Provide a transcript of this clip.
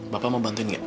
bapak mau bantuin nggak